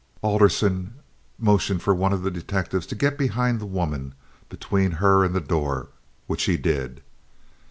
Alderson motioned one of his detectives to get behind the woman—between her and the door—which he did.